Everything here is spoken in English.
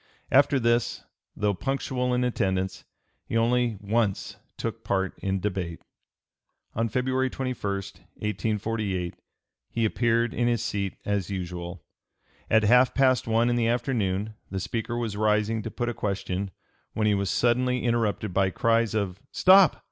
After this, though punctual in attendance, he only once took part in debate. On February 21, 1848, he appeared in his seat as usual. At half past one in the afternoon the Speaker was rising to put a question, when he was suddenly interrupted by cries of "Stop!